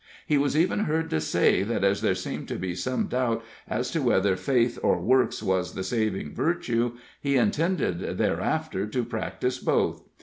He was even heard to say that as there seemed to be some doubt as to whether faith or works was the saving virtue, he intended thereafter to practice both.